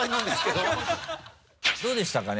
どうでしたかね？